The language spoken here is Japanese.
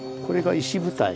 石舞台。